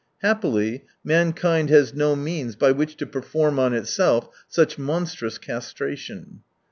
Happily, mankind has no means by which to perform on itself such monstrous castration.